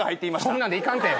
そんなんで行かんて。